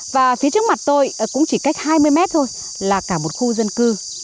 và phía trước mặt tôi cũng chỉ cách hai mươi mét thôi là cả một khu dân cư